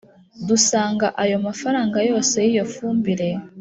dusanga ayo mafaranga yose y’iyo fumbire